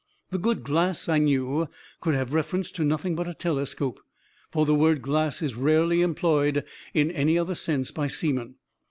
"The 'good glass,' I knew, could have reference to nothing but a telescope; for the word 'glass' is rarely employed in any other sense by seamen.